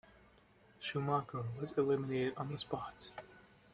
Schumacher was eliminated on the spot.